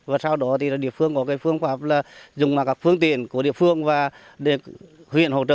và sau đó thì là địa phương có cái phương pháp là dùng các phương tiện của địa phương và huyện